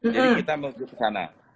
jadi kita merujuk ke sana